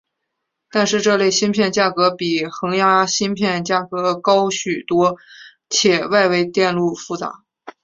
但是这类芯片价格比恒压芯片价格高许多且外围电路复杂。